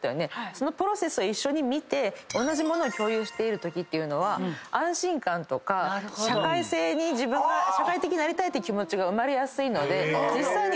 そのプロセスを一緒に見て同じ物を共有しているときっていうのは安心感とか社会性に社会的になりたいって気持ちが生まれやすいので実際に。